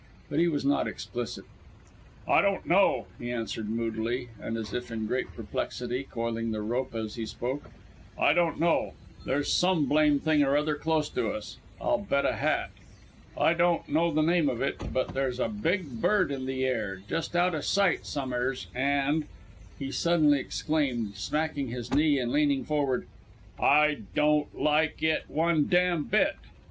But he was not explicit. "I don't know," he answered moodily, and as if in great perplexity, coiling the rope as he spoke. "I don't know. There's some blame thing or other close to us, I'll bet a hat. I don't know the name of it, but there's a big Bird in the air, just out of sight som'eres, and," he suddenly exclaimed, smacking his knee and leaning forward, "I don't like it one dam' bit."